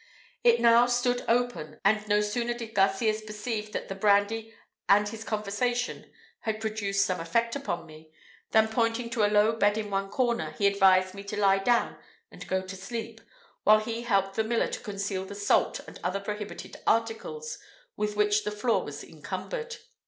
It now stood open; and no sooner did Garcias perceive that the brandy and his conversation had produced some effect upon me, than, pointing to a low bed in one corner, he advised me to lie down and go to sleep, while he helped the miller to conceal the salt and other prohibited articles, with which the floor was encumbered.